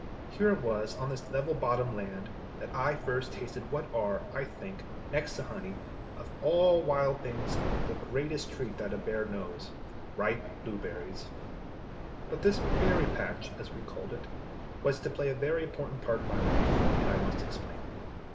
Here it was, on this level bottom land, that I first tasted what are, I think, next to honey, of all wild things the greatest treat that a bear knows ripe blueberries. But this 'berry patch,' as we called it, was to play a very important part in my life, and I must explain.